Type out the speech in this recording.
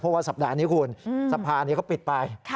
เพราะว่าสัปดาห์นี้คุณสภานี้เขาปิดไป